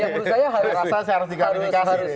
yang menurut saya harus